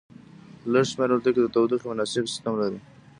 لږ شمیر الوتکې د تودوخې مناسب سیستم لري